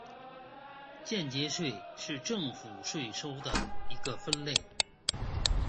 间接税是政府税收的一个分类。